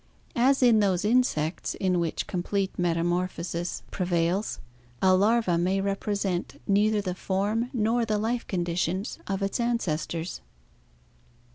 As in those insects in which complete metamorphosis 466 ORGANIC EVOLUTION prevails, a larva may represent neither the form nor the life condi tions of its ancestors.